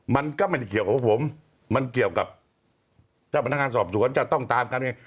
มันก็ไม่ได้เกี่ยวกับผมมันเกี่ยวกับเจ้าพนักงานสอบสวนจะต้องตามกัน